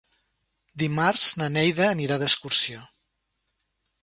Dimarts na Neida anirà d'excursió.